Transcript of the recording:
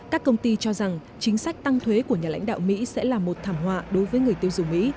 các công ty cho rằng chính sách tăng thuế của nhà lãnh đạo mỹ sẽ là một thảm họa đối với người tiêu dùng mỹ